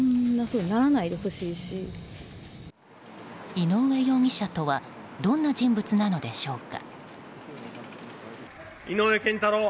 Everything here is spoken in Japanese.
井上容疑者とはどんな人物なのでしょうか。